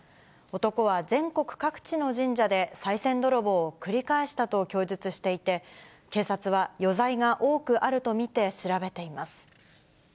男は全国各地の神社でさい銭泥棒を繰り返したと供述していて、警察は余罪が多くあると見て調べています。